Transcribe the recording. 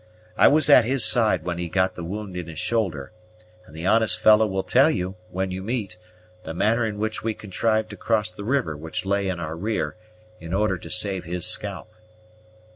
I was at his side when he got the wound in his shoulder; and the honest fellow will tell you, when you meet, the manner in which we contrived to cross the river which lay in our rear, in order to save his scalp."